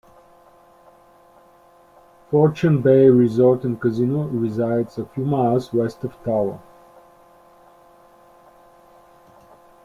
Fortune Bay Resort and Casino resides a few miles west of Tower.